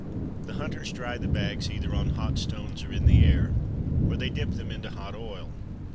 The hunters dry the bags either on hot stones or in the air, or they dip them into hot oil.